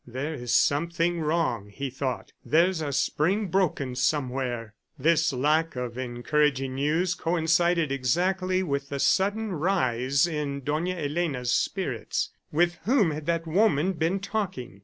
"There is something wrong," he thought. "There's a spring broken somewhere!" This lack of encouraging news coincided exactly with the sudden rise in Dona Elena's spirits. With whom had that woman been talking?